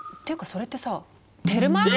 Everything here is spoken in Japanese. それってさテルマエ・ロマ。